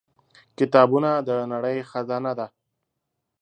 • کتابونه د نړۍ خزانه ده.